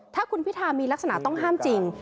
ถ้าคุณพิธามีลักษณะต้องห้ามจริง